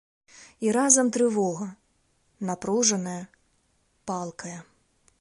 І разам трывога, напружная, палкая.